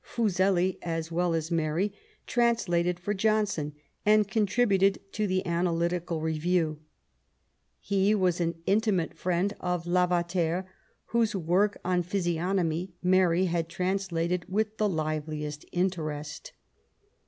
Fuseli, as well as Mary, translated for John son, and contributed to the Analytical Review. He was an intimate friend of Lavater, whose work on Physiognomy Mary had translated with the liveliest interest.